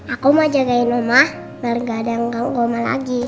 aku mau jagain omah biar gak ada yang ganggu omah lagi